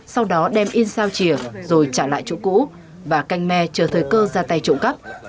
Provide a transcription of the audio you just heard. sau đó đem in sao chìa rồi trả lại chủ cũ và canh me chờ thời cơ ra tay trộm cắp